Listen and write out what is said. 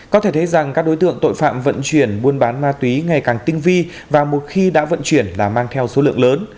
có thể thấy rằng các đối tượng tội phạm vận chuyển buôn bán ma túy ngày càng tinh vi và một khi đã vận chuyển là mang theo số lượng lớn